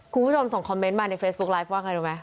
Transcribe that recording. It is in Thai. คุณผู้ชมส่งคอมเมนต์มาในเฟซบุ๊คไลฟ์ว่าไงรู้ไหม